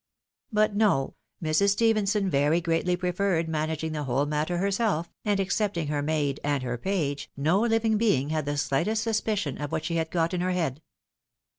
But no, Mrs. Stephenson very greatly preferred managing the whole mat A QUIET GAME AT PIQUET. 803 ter herself, and, excepting her maid and her page, no living being had the slightest suspicion of what she had got in her head.